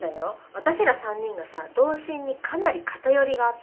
私ら３人がさ童心にかなり偏りがあったから。